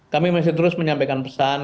kami masih terus menyampaikan pesan